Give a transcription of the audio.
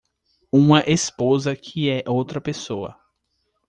uma esposa que é outra pessoa